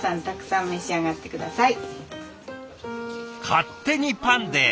「勝手にパンデイ」。